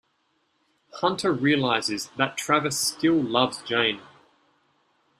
Hunter realizes that Travis still loves Jane.